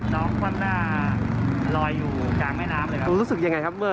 น้องฟังหน้าลอยอยู่กลางแม่น้ำเลยครับ